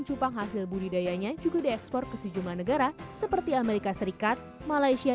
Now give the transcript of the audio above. cupang hasil budidayanya juga diekspor ke sejumlah negara seperti amerika serikat malaysia